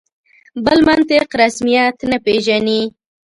بل منطق رسمیت نه پېژني.